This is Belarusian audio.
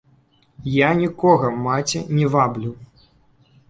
Я нікога, маці, не ваблю!